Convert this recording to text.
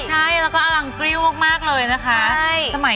ใช่แล้วก็อลังกริ้วมากเลยนะคะ